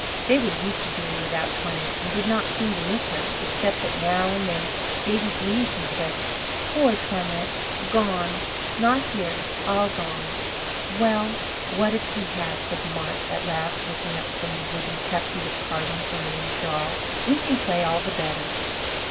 They were used to doing without Toinette and did not seem to miss her, except that now and then baby Jeanneton said: "Poor Toinette gone not here all gone." "Well, what if she has?" said Marc at last looking up from the wooden cup he was carving for Marie's doll. "We can play all the better."